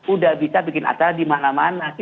udah bisa bikin acara di mana mana sih